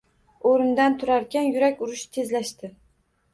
O‘rnidan turarkan, yurak urishi tezlashdi.